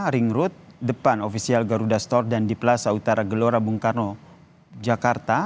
ring road depan ofisial garuda store dan di plaza utara gelora bung karno jakarta